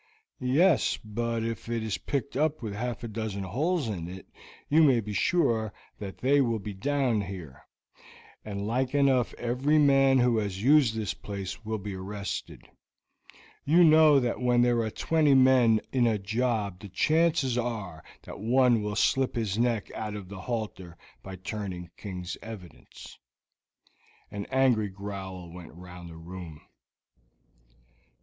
"Yes, but if it is picked up with half a dozen holes in it, you may be sure that they will be down here, and like enough every man who has used this place will be arrested; you know that when there are twenty men in a job the chances are that one will slip his neck out of the halter by turning King's evidence." An angry growl went round the room.